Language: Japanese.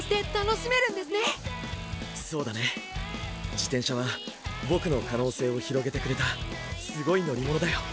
自転車はボクの可能性を広げてくれたすごい乗り物だよ。